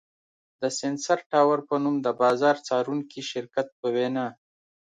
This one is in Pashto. د سېنسر ټاور په نوم د بازار څارونکي شرکت په وینا